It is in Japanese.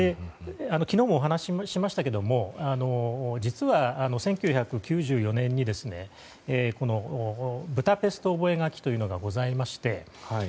昨日もお話ししましたけれども実は１９９４年にブダペスト覚書というのがございまして。